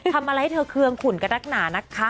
ทำอะไรให้เธอเคืองขุนกับนักหนานะคะ